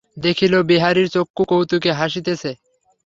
দেখিল, বিহারীর চক্ষু কৌতুকে হাসিতেছে।